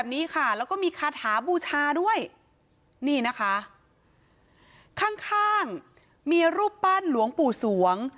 นี่นะคะข้างมีรูปปั้นหลวงปู่สวง